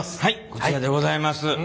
こちらでございます。